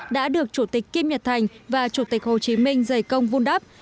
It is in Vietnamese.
đã được chủ tịch kim nhật thành và chủ tịch hồ chí minh dày công vun đắp